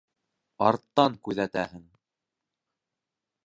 Арттан күҙәтәһең.